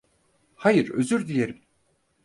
Hayır, özür dilerim.